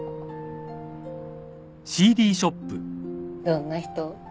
どんな人？